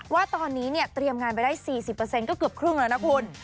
ว่าตอนนี้เนี่ยเตรียมงานไปได้สี่สิบเปอร์เซ็นต์ก็เกือบครึ่งแล้วนะคุณ